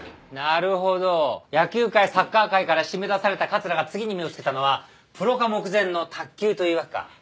なるほど野球界サッカー界から締め出された桂が次に目を付けたのはプロ化目前の卓球というわけか。